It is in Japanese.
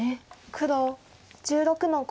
黒１６の五。